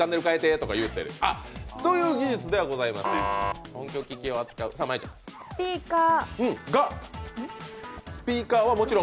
という技術ではございません。